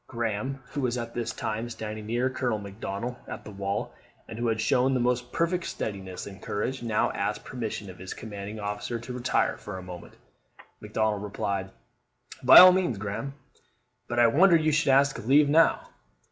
Graham, who was at this time standing near Colonel Macdonnell at the wall, and who had shown the most perfect steadiness and courage, now asked permission of his commanding officer to retire for a moment. Macdonnell replied, "By all means, Graham; but I wonder you should ask leave now."